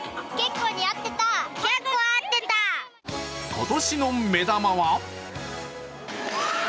今年の目玉は？